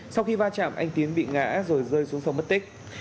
sau khi va chạm anh tiến bị ngã rồi rơi xuống sông mất tích